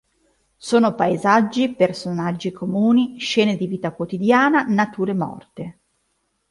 Sono paesaggi, personaggi comuni, scene di vita quotidiana, nature morti.